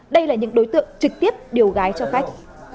đây là những đối tượng trực tiếp điều gái cho khách